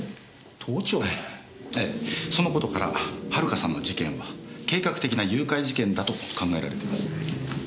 ええその事から遥さんの事件は計画的な誘拐事件だと考えられてます。